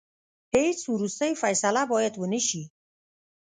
هیڅ وروستۍ فیصله باید ونه سي.